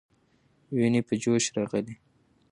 ويني په جوش راغلې.